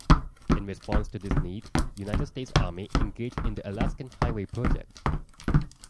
In response to this need, United States Army engaged in the Alaskan Highway project.